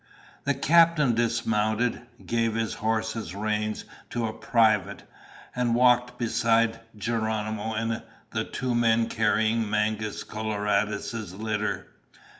The captain dismounted, gave his horse's reins to a private, and walked beside Geronimo and the two men carrying Mangus Coloradus' litter.